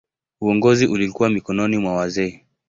Uongozi ulikuwa mikononi mwa wazee.